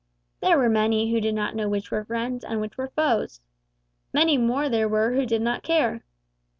There were many who did not know which were friends and which were foes. Many more there were who did not care!